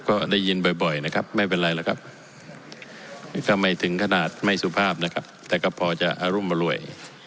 ก็ไม่ถึงขนาดไม่สุภาพนะครับแต่ก็พอจะอรุมารวย